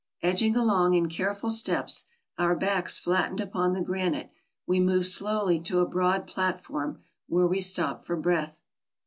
Edging along in careful steps, our backs flattened upon the granite, we moved slowly to a broad platform, where we stopped for breath.